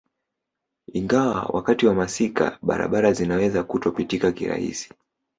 Ingawa wakati wa masika barabara zinaweza kutopitika kirahisi